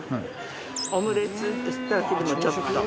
オムレツってした時もちょっと。